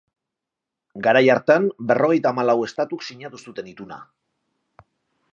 Garai hartan, berrogeita hamalau estatuk sinatu zuten Ituna.